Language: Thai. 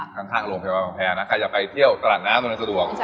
ทางโรงพยาบาลบางแพรนะใครจะไปเที่ยวตลาดน้ำอำนวยสะดวก